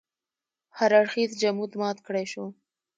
هر اړخیز جمود مات کړای شو.